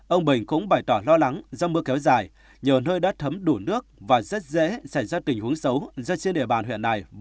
ông bình cũng bày tỏ lo lắng do mưa kéo dài nhờ nơi đã thấm đủ nước và rất dễ xảy ra tình huống xấu ra trên địa bàn huyện này